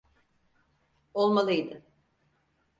Olmalıydı.